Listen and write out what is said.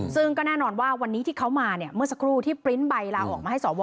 ซึ่งก็แน่นอนว่าวันนี้ที่เขามาเนี่ยเมื่อสักครู่ที่ปริ้นต์ใบลาออกมาให้สว